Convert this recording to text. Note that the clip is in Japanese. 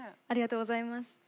ありがとうございます。